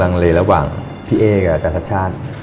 ลังเลระหว่างพี่เอ๊กับชันชัดชาติ